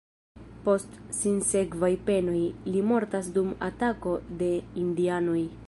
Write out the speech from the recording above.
Post sinsekvaj penoj, li mortas dum atako de indianoj.